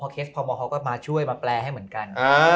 เคสพมเขาก็มาช่วยมาแปลให้เหมือนกัน